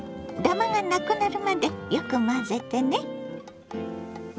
ダマがなくなるまでよく混ぜてね。